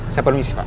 saya penuhi sih pak